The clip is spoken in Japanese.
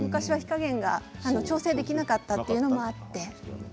昔は火加減が調整できなかったということもあって。